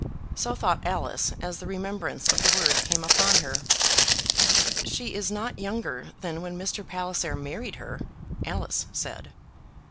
So thought Alice as the remembrance of the word came upon her. "She is not younger than when Mr. Palliser married her," Alice said.